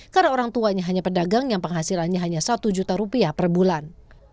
karena orang tuanya hanya pedagang yang penghasilannya hanya rp satu juta per bulan